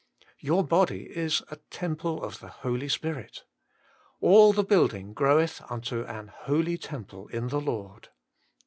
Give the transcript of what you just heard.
' Your body is a temple of the Holy Spirit.' 'All the building groweth unto an holy temple in the Lord.'